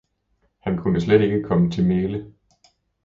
Han kunne slet ikke komme til mæle.